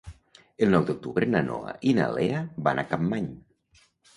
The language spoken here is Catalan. El nou d'octubre na Noa i na Lea van a Capmany.